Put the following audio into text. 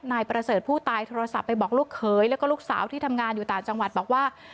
นายประเสริฐผู้ตายโทรศัพท์ไปบอกลูกเขยแล้วก็ลูกสาวที่ทำงานอยู่ต่างจังหวัดบอกว่า